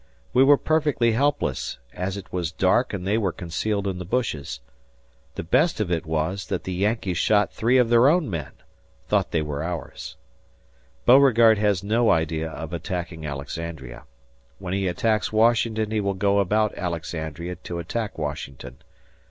We were perfectly helpless, as it was dark and they were concealed in the bushes. The best of it was that the Yankees shot three of their own men, thought they were ours. ... Beauregard has no idea of attacking Alexandria. When he attacks Washington he will go about Alexandria to attack Washington.